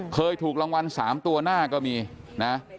เคยถูกรางวัล๓ตัวหน้าก็มีนะ